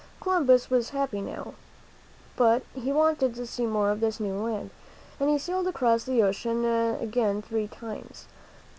Columbus was happy now. But he wanted to see more of this new land, and he sailed across the ocean again three times.